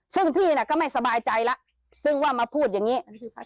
ซึ่งพี่น่ะก็ไม่สบายใจแล้วซึ่งว่ามาพูดอย่างนี้